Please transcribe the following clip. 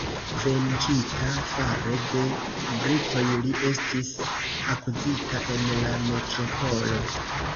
Venkita fare de britoj, li estis akuzita en la metropolo.